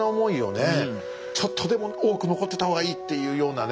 ちょっとでも多く残ってた方がいいっていうようなね。